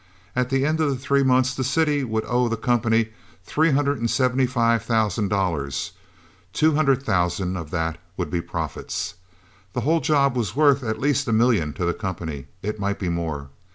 At the end of three months the city would owe the company three hundred and seventy five thousand dollars two hundred thousand of that would be profits. The whole job was worth at least a million to the company it might be more.